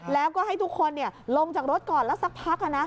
แล้วก็ให้ทุกคนลงจากรถก่อนแล้วสักพัก